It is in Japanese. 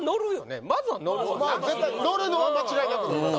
あ絶対乗るのは間違いなく乗ります